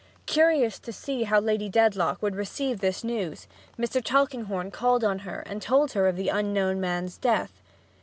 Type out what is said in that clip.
Curious to see how Lady Dedlock would receive this news, Mr. Tulkinghorn called on her and told her of the unknown man's death.